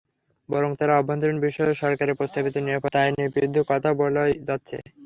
বরং তারা অভ্যন্তরীণ বিষয়ে সরকারের প্রস্তাবিত নিরাপত্তা আইনের বিরুদ্ধে কথা বলেই যাচ্ছে।